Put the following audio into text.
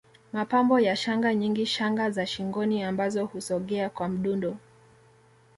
Mapambo ya shanga nyingi shanga za shingoni ambazo husogea kwa mdundo